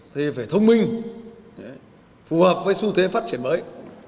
thì phải thông minh phù hợp với xu thế phát triển mới